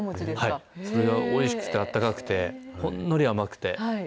それでおいしくて、あったかくて、ほんのり甘くて。